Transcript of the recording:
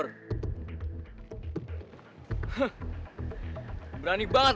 berani banget mereka bertiga datang ke basecamp kita